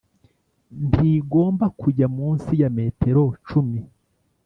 ntigomba kujya munsi ya metero cumi